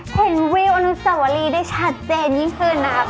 วิวอนุสวรีได้ชัดเจนยิ่งขึ้นนะครับ